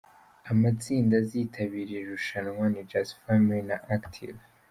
Amatsinda azitabira iri rushanwa ni Just Family na Active.